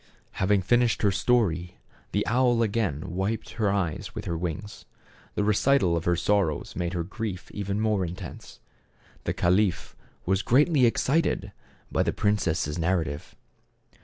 Having finished her story the owl again wiped her eyes with her wings. The recital of her sorrows made her grief even more intense. The caliph was greatly excited by the princess' narrative.